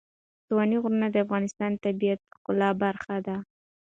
ستوني غرونه د افغانستان د طبیعت د ښکلا برخه ده.